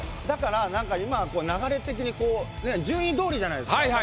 だからなんか今は流れ的にこう順位通りじゃないですか。